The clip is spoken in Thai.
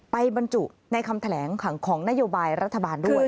บรรจุในคำแถลงของนโยบายรัฐบาลด้วย